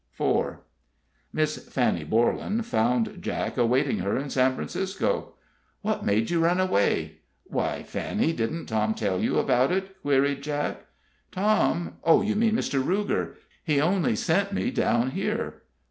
IV. Miss Fanny Borlan found Jack awaiting her at San Francisco. "What made you run away?" "Why, Fanny, didn't Tom tell you about it?" queried Jack. "Tom? Oh, you mean Mr. Ruger. He only sent me down here."